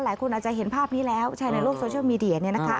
หลายคนอาจจะเห็นภาพนี้แล้วใช่ในโลกโซเชียลมีเดียเนี่ยนะคะ